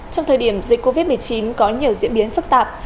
trong thời điểm dịch covid một mươi chín có nhiều diễn biến phức tạp